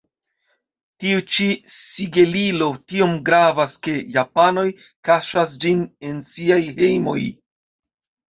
Tiu ĉi sigelilo tiom gravas, ke japanoj kaŝas ĝin en siaj hejmoj.